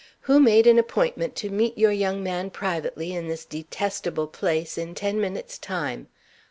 Who made an appointment to meet your young man privately in this detestable place in ten minutes' time?